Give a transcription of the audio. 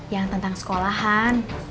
yang tentang sekolahan